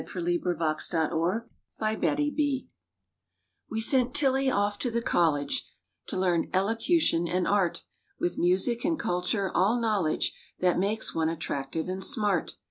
WHAT BECOMES OF OUR "TILLIES We sent Tillie off to the college To learn elocution and art With music and culture, all knowledge That makes one attractive and smart.